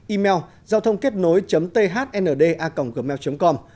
email giao thôngkếtnối thnda gmail com